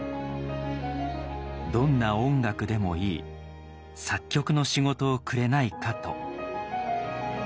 「どんな音楽でもいい作曲の仕事をくれないか」と。